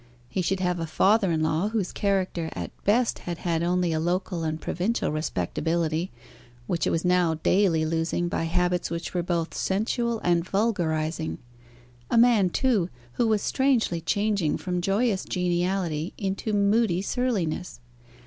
He should have a father in law whose character at best had had only a local and provincial respectability, which it was now daily losing by habits which were both sensual and vulgarising; a man, too, who was strangely changing from joyous geniality into moody surliness.